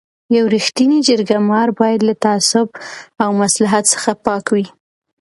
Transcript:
یو رښتینی جرګه مار باید له تعصب او مصلحت څخه پاک وي.